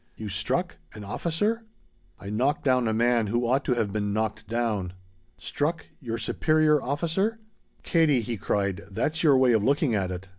"You struck an officer?" "I knocked down a man who ought to have been knocked down!" "Struck your superior officer?" "Katie," he cried, "that's your way of looking at it!